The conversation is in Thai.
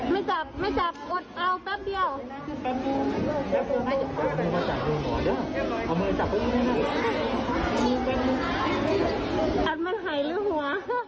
มันหายเลยหัว